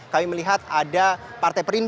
kami melihat ada partai perindo